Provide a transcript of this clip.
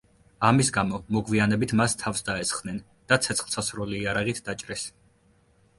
ამის გამო მოგვიანებით მას თავს დაესხნენ და ცეცხლსასროლი იარაღით დაჭრეს.